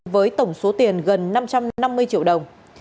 với tổng số tiền gần năm trăm năm mươi triệu đồng